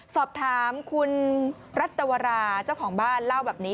สอบถามคุณรัตวราเจ้าของบ้านเล่าแบบนี้